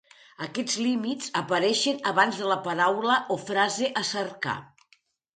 Aquests límits apareixen abans de la paraula o frase a cercar.